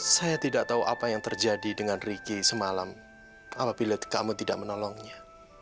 saya tidak tahu apa yang terjadi dengan ricky semalam apabila kamu tidak menolongnya